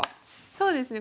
そうですね。